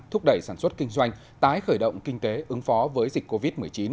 thúc đẩy sản xuất kinh doanh tái khởi động kinh tế ứng phó với dịch covid một mươi chín